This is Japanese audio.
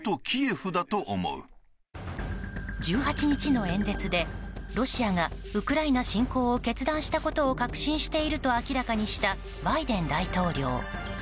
１８日の演説でロシアがウクライナ侵攻を決断したことを確信していると明らかにしたバイデン大統領。